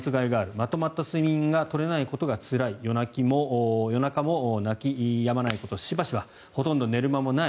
まとまった睡眠が取れないことがつらい夜中も泣きやまないことしばしばほとんど寝る間もない